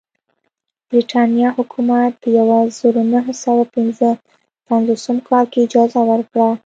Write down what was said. برېټانیا حکومت په یوه زرو نهه سوه پنځه پنځوسم کال کې اجازه ورکړه.